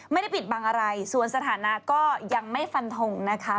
ไม่ได้ปิดบังอะไรส่วนสถานะก็ยังไม่ฟันทงนะคะ